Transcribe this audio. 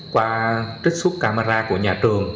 qua trích xuất camera của nhà trường